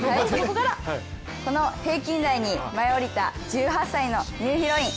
この平均台に舞い降りた１８歳のニューヒロイン。